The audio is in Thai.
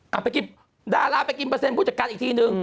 ไปกินดาราไปกินเปอร์เซ็นผู้จัดการอีกทีนึง